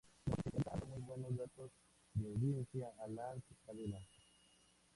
Desde entonces, 'El mentalista' ha reportado muy buenos datos de audiencia a la cadena.